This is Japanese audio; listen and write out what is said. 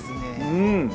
うん。